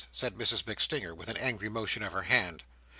said Mrs MacStinger, with an angry motion of her hand.